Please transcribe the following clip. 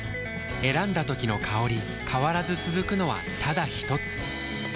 選んだ時の香り変わらず続くのはただひとつ？